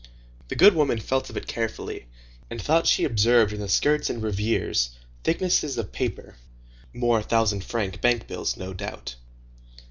The good woman felt of it carefully, and thought she observed in the skirts and revers thicknesses of paper. More thousand franc bank bills, no doubt!